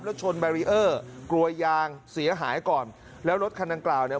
แล้วชนกลัวยยางเสียหายก่อนแล้วรถคันดังกล่าวเนี้ย